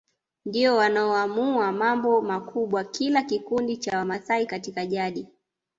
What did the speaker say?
ndio wanaoamua mambo makubwa kila kikundi cha Wamasai Katika jadi